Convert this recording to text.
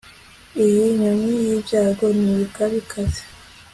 iyi nyoni yibyago nibuka bikaze